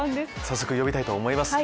早速呼びたいと思います。